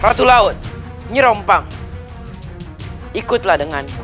kita bisa kesibset berwarna warna